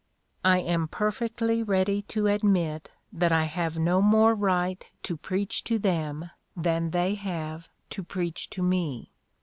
I am perfectly ready to admit that I have no more right to preach to them than they have to preach to me.